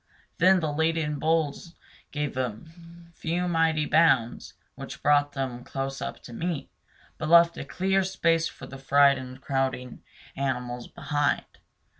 Then the leading bulls gave a few mighty bounds which brought them close up to me, but left a clear space for the frightened, crowding animals behind.